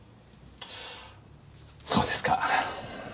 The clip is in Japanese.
そうですか。